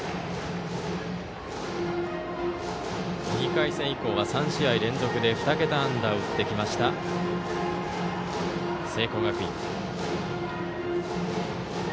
２回戦以降は３試合連続で２桁安打を打ってきました、聖光学院。